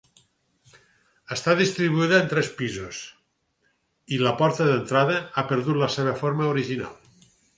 Està distribuïda en tres pisos i la porta d'entrada, ha perdut la seva forma original.